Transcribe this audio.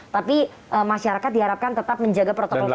tapi masyarakat diharapkan tetap menjaga protokol kesehatan